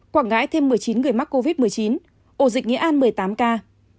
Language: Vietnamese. quảng ngãi thêm một mươi chín người mắc covid một mươi chín ổ dịch nghệ an một mươi tám ca